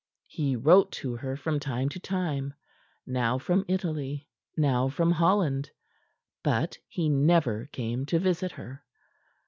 He wrote to her from time to time, now from Italy, now from Holland. But he never came to visit her.